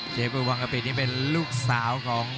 เสียปุยวังกะปินี่เป็นลูกสาวของ